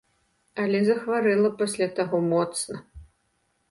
Але захварэла пасля таго моцна.